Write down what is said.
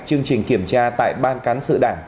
chương trình kiểm tra tại ban cán sự đảng